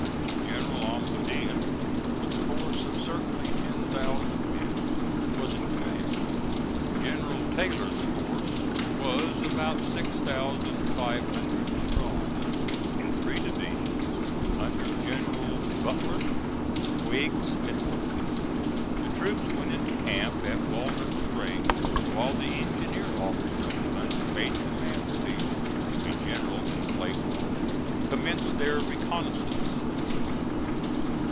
General Ampudia, with a force of certainly ten thousand men, was in command. General Taylor's force was about six thousand five hundred strong, in three divisions, under Generals Butler, Twiggs and Worth. The troops went into camp at Walnut Springs, while the engineer officers, under Major Mansfield a General in the late war commenced their reconnoissance.